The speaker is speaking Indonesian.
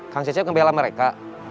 kang cecep ngebela mereka